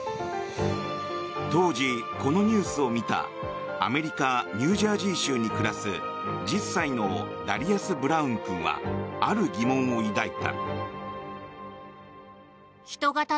当時、このニュースを見たアメリカ・ニュージャージー州に暮らす１０歳のダリアス・ブラウン君はある疑問を抱いた。